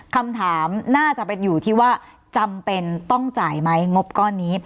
คำถามน่าจะเป็นอยู่ที่ว่าจำเป็นต้องจ่ายไหมงบก้อนนี้